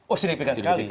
oh signifikan sekali